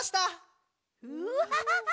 ウハハハ！